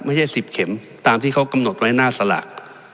ไม่ใช่๑๐เข็มตามที่เขากำหนดไว้หน้าสลาก